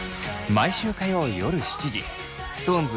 毎週火曜夜７時ＳｉｘＴＯＮＥＳ